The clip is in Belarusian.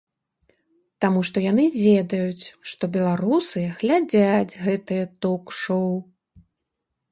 Таму што яны ведаюць, што беларусы глядзяць гэтыя ток-шоў.